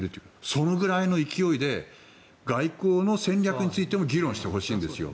そのくらいの勢いで外交の戦略についても議論してほしいんです。